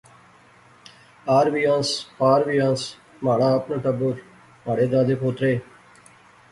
آر وی آنس، پار وی آنس، مہاڑا اپنا ٹبر، مہاڑے دادے پوترے